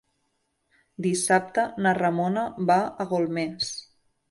Dissabte na Ramona va a Golmés.